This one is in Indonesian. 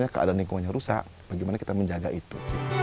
keadaan lingkungannya rusak bagaimana kita menjaga itu